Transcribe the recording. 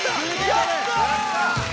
やったー！